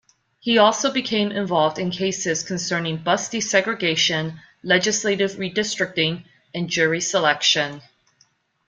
He also became involved in cases concerning bus desegregation, legislative redistricting and jury selection.